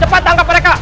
cepat tangkap mereka